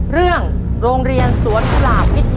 เรื่องโรงเรียนสวนกุหลาบมิทยาลัย